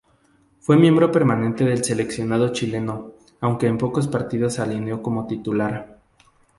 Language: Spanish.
Fue miembro permanente del seleccionado chileno, aunque en pocos partidos alineó como titular.